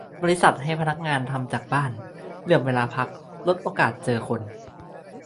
- บริษัทให้พนักงานทำจากบ้าน เหลื่อมเวลาพัก ลดโอกาสเจอคน